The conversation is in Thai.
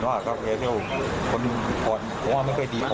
ไม่รู้มันเยอะมาก